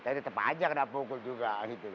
tapi tetep aja kena pukul juga